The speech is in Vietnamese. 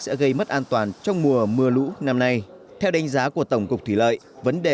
sẽ gây mất an toàn trong mùa mưa lũ năm nay theo đánh giá của tổng cục thủy lợi vấn đề